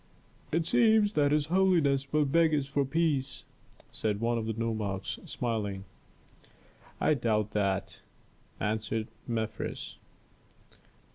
"It seems that his holiness will beg us for peace," said one of the nomarchs, smiling. "I doubt that!" answered Mefres.